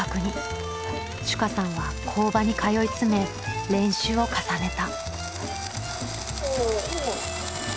珠夏さんは工場に通い詰め練習を重ねた。